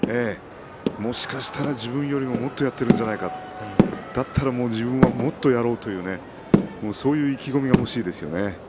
もしかしたら自分よりももっとやっているんじゃないかとだったら自分ももっとやろうそういう意気込みが欲しいですよね。